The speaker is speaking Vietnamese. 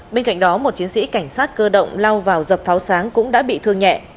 bên cạnh đó một chiến sĩ cảnh sát cơ động lao vào dập pháo sáng cũng đã bị thương nhẹ